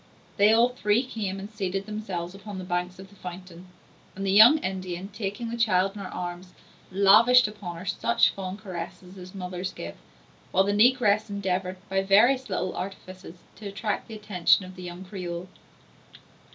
They all three came and seated themselves upon the banks of the fountain; and the young Indian, taking the child in her arms, lavished upon her such fond caresses as mothers give; while the negress endeavored by various little artifices to attract the attention of the young Creole.